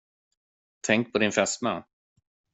Tänk på din fästmö!